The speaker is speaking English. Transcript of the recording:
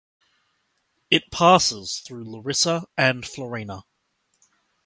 It passes through Larissa and Florina.